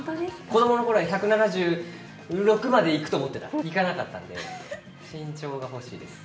子どものころは１７６までいくと思ってたら、いかなかったんで、身長が欲しいです。